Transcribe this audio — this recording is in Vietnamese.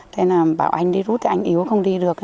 thế là bảo anh đi rút thì anh yếu không đi được